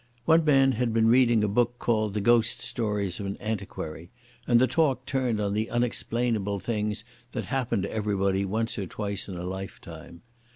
One man had been reading a book called the Ghost Stories of an Antiquary, and the talk turned on the unexplainable things that happen to everybody once or twice in a lifetime.